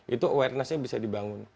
itu awarenessnya bisa dibangun